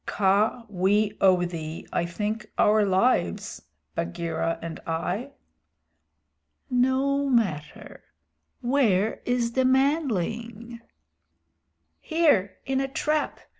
Kaa, we owe thee, I think, our lives Bagheera and I." "No matter. Where is the manling?" "Here, in a trap.